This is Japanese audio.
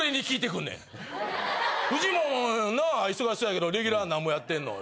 「フジモンなぁ忙しそうやけどレギュラー何本やってんの？」。